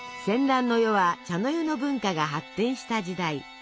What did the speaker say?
戦乱の世は茶の湯の文化が発展した時代。